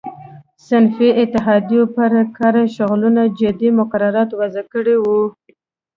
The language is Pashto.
صنفي اتحادیو پر کاري شغلونو جدي مقررات وضع کړي وو.